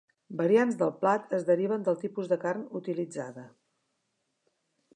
Variants del plat es deriven del tipus de carn utilitzada.